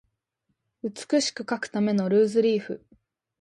美しく書くためのルーズリーフ